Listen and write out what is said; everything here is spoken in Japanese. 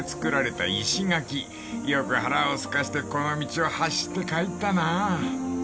［よく腹をすかせてこの道を走って帰ったな］